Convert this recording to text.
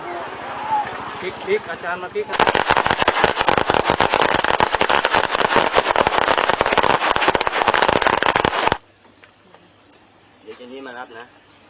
ภาพยังรอบบันดาลให้สว่างอาทิตย์กลับมา